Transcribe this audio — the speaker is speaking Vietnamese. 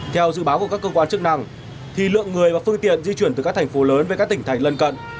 theo dự báo của các cơ quan chức năng thì lượng người và phương tiện di chuyển từ các thành phố lớn về các tỉnh thành lân cận